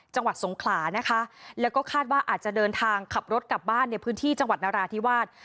จังหวัดสงขลานะคะแล้วก็คาดว่าอาจจะเดินทางขับรถกลับบ้านในพื้นที่จังหวัดนราธิวาส